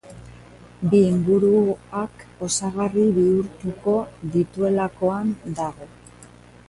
Bi inguruak osagarri bihurtuko dituelakoan dago.